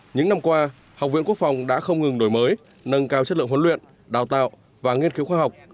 những năm qua học viện quốc phòng đã không ngừng đổi mới nâng cao chất lượng huấn luyện đào tạo và nghiên cứu khoa học